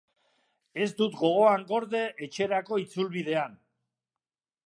Ez dut gogoan gorde etxerako itzulbidean.